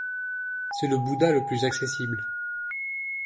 C'est le bouddha le plus accessible.